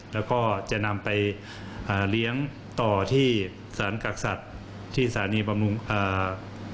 แล้วก็จะนำไปเลี้ยงต่อที่สารกักสัตว์ที่บุรีรัมพ์